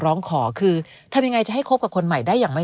ร้องขอคือทำยังไงจะให้คบกับคนใหม่ได้อย่างไม่